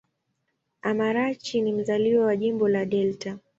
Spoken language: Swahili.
Amarachi ni mzaliwa wa Jimbo la Delta.